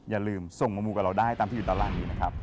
อย่าลืมส่งมามูกับเราได้ตามที่อยู่ตารางอยู่นะครับ